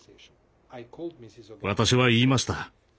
私は言いました。